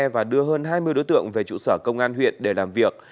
và đưa hơn hai mươi đối tượng về trụ sở công an huyện để làm việc